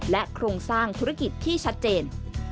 โครงสร้างธุรกิจที่ชัดเจน